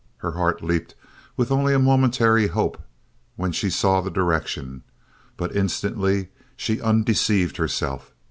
Her heart leaped with only a momentary hope when she saw the direction, but instantly she undeceived herself.